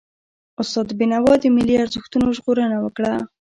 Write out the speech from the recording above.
استاد بينوا د ملي ارزښتونو ژغورنه وکړه.